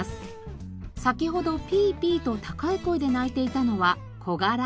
先ほどピーピーと高い声で鳴いていたのはコガラ。